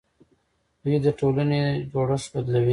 دوی د ټولنې جوړښت بدلوي.